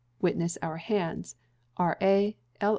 Witness our hands. R.A. L.